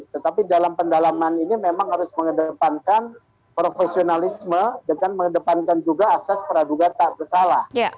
tetapi dalam pendalaman ini memang harus mengedepankan profesionalisme dengan mengedepankan juga asas peraduga tak bersalah